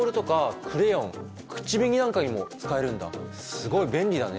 すごい便利だね。